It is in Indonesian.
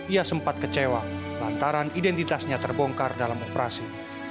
ia sempat kecewa lantaran identitasnya terbongkar dalam operasi